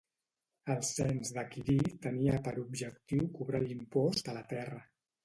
El cens de Quirí tenia per objectiu cobrar l'impost a la terra.